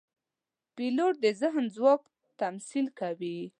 پیلوټ د ذهن ځواک تمثیل کوي.